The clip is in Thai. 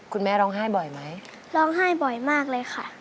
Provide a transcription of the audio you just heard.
คุณแม่ร้องไห้บ่อยไหมร้องไห้บ่อยมากเลยค่ะ